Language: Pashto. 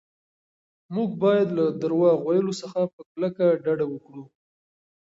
موږ باید له درواغ ویلو څخه په کلکه ډډه وکړو.